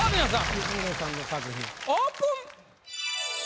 光宗さんの作品オープン！